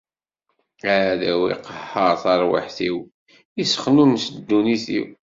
Aɛdaw iqehher tarwiḥt-iw, issexnunes ddunit-iw.